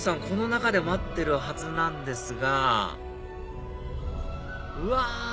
この中で待ってるはずなんですがうわ！